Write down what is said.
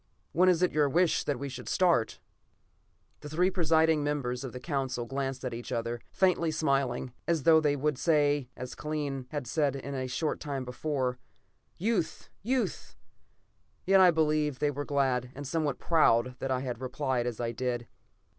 When is it your wish that we should start?" The three presiding members of the Council glanced at each other, faintly smiling, as though they would say, as Kellen had said a short time before: "Youth! Youth!" Yet I believe they were glad and somewhat proud that I had replied as I did.